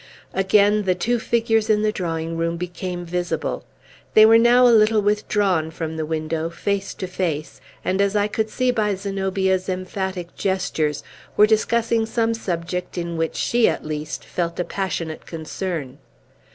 Again the two figures in the drawing room became visible. They were now a little withdrawn from the window, face to face, and, as I could see by Zenobia's emphatic gestures, were discussing some subject in which she, at least, felt a passionate concern.